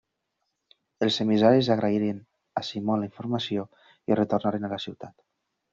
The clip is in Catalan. Els emissaris agraïren a Simó la informació i retornaren a la ciutat.